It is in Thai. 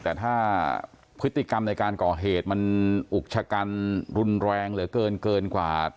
แต่ถ้าพฤติกรรมในการก่อเหตุมันอุกชะกันรุนแรงเหลือเกินเกินกว่า